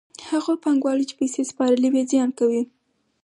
هغو پانګوالو چې پیسې سپارلې وي زیان کوي